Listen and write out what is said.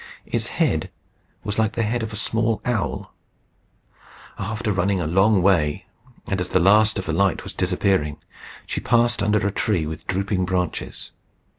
Its head was like the head of a small owl. After running a long way, and as the last of the light was disappearing, she passed under a tree with drooping branches.